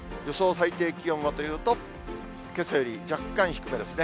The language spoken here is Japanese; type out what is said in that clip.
最低気温はというと、けさより若干低めですね。